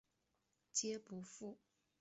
皆不赴。